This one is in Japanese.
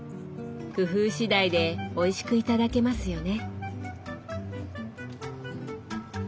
工夫次第でおいしく頂けますよね。